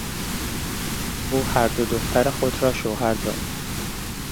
او هر دو دختر خود را شوهر داد.